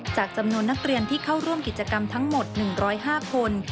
จำนวนนักเรียนที่เข้าร่วมกิจกรรมทั้งหมด๑๐๕คน